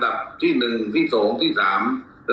ขอบคุณทุกคน